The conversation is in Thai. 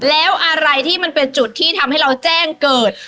แล้วอะไรที่มันเป็นจุดที่ทำให้เราแจ้งเกิด